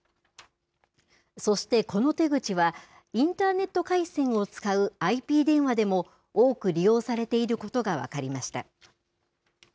そしてこの手口はインターネット回線を使うＩＰ電話でも多く利用されていることが分かりました。